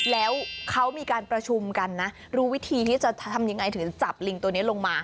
แล้วเขามีการประชุมกันนะรู้วิธีที่จะทำยังไงถึงจับลิงตัวนี้ลงมา